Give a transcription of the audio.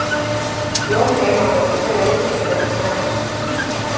Long eemaldati selle juhtumi tõttu mängust.